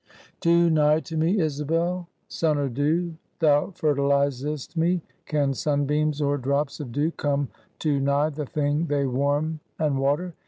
"Too nigh to me, Isabel? Sun or dew, thou fertilizest me! Can sunbeams or drops of dew come too nigh the thing they warm and water?